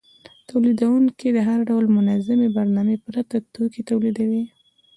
تولیدونکي له هر ډول منظمې برنامې پرته توکي تولیدوي